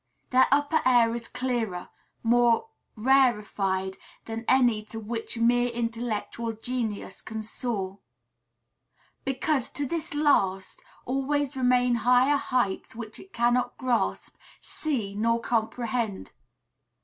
Their "upper air" is clearer, more rarefied than any to which mere intellectual genius can soar. Because, to this last, always remain higher heights which it cannot grasp, see, nor comprehend.